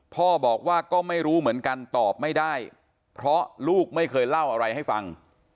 พ่อบอกว่าก็ไม่รู้เหมือนกันตอบไม่ได้เพราะลูกไม่เคยเล่าอะไรให้ฟัง